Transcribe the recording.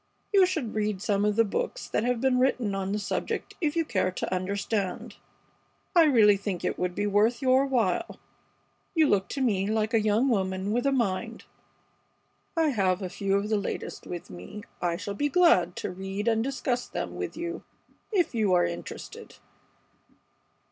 You should read some of the books that have been written on this subject if you care to understand. I really think it would be worth your while. You look to me like a young woman with a mind. I have a few of the latest with me. I shall be glad to read and discuss them with you if you are interested."